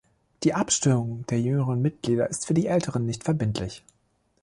Die Abstimmung der jüngeren Mitglieder ist für die älteren nicht verbindlich.